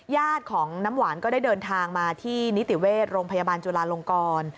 ญาติของน้ำหวานก็ได้เดินทางมาที่นิติเวชโรงพยาบาลจุลาลงกร